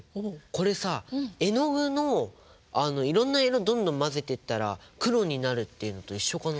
これさ絵の具のいろんな色どんどん混ぜていったら黒になるっていうのと一緒かな？